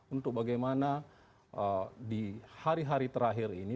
untuk bagaimana di hari hari terakhir ini